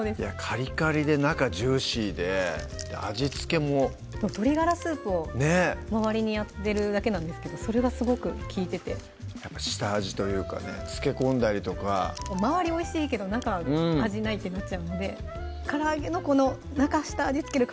カリカリで中ジューシーで味付けも鶏ガラスープを周りにやってるだけなんですけどそれがすごく利いててやっぱ下味というかね漬け込んだりとか周りおいしいけど中味ないってなっちゃうんでからあげの下味付ける